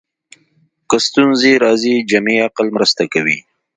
کله ستونزې راځي جمعي عقل مرسته کوي